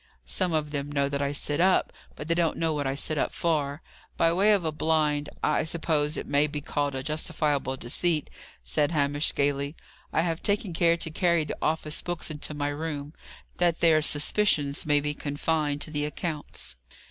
"Some of them know that I sit up; but they don't know what I sit up for. By way of a blind I suppose it may be called a justifiable deceit," said Hamish, gaily "I have taken care to carry the office books into my room, that their suspicions may be confined to the accounts.